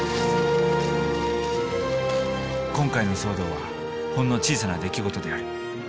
今回の騒動はほんの小さな出来事である。